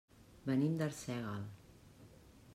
Venim d'Arsèguel.